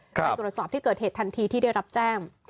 ไปตรวจสอบที่เกิดเหตุทันทีที่ได้รับแจ้ง